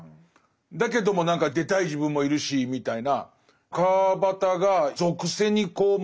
だけども何か出たい自分もいるしみたいな。